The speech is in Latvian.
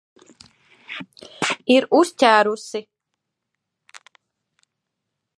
Ir uzķērusi!